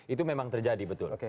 itu memang terjadi betul